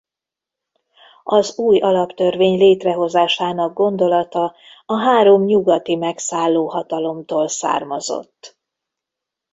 Az új alaptörvény létrehozásának gondolata a három nyugati megszálló hatalomtól származott.